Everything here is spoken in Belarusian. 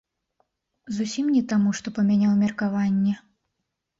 Зусім не таму, што памяняў меркаванне.